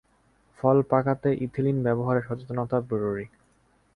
ফল পাঁকাতে ইথিলিন ব্যবহারে সচেতনতা জরুরি।